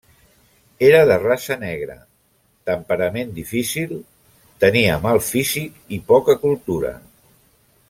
Era de raça negra, temperament difícil, tenia mal físic i poca cultura.